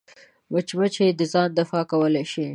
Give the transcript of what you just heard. مچمچۍ د ځان دفاع کولی شي